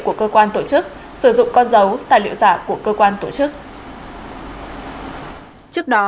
của cơ quan tổ chức sử dụng con dấu tài liệu giả của cơ quan tổ chức